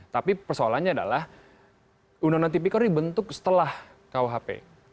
tapi persoalannya adalah undang undang tipikor dibentuk setelah kuhp